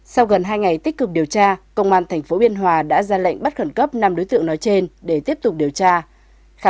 sau gần hai ngày tích cực điều tra công an tp biên hòa đã ra lệnh bắt khẩn cấp năm đối tượng nổi bật